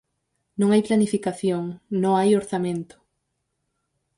Non hai planificación, no hai orzamento.